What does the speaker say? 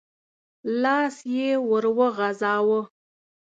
لاس يې ور وغځاوه.